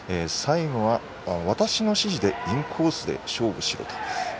最後は、私の指示でインコースで勝負しろと。